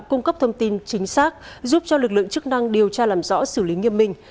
cung cấp thông tin chính xác giúp cho lực lượng chức năng điều tra làm rõ xử lý nghiêm minh